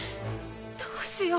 どうしよう。